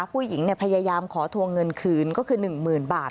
ผู้หญิงพยายามขอทวงเงินคืนก็คือ๑๐๐๐บาท